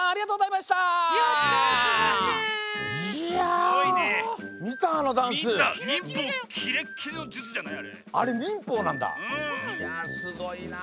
いやすごいな。